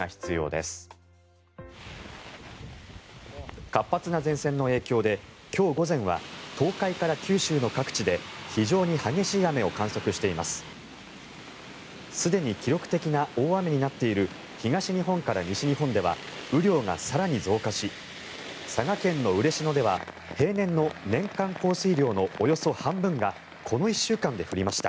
すでに記録的な大雨になっている東日本から西日本では雨量が更に増加し佐賀県の嬉野では平年の年間降水量のおよそ半分がこの１週間で降りました。